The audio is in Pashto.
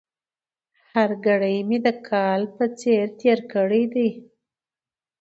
هره ګړۍ مې د کال په څېر تېره کړې ده.